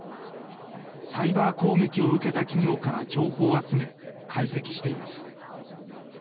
サイバー攻撃を受けた企業から情報を集め、解析しています。